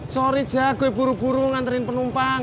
sorry jak gue buru buru nganterin penumpang